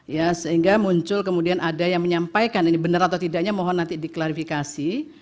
ya sehingga muncul kemudian ada yang menyampaikan ini benar atau tidaknya mohon nanti diklarifikasi